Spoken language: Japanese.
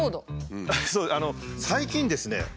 最近ですね